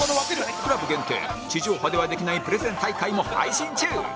ＣＬＵＢ 限定地上波ではできないプレゼン大会も配信中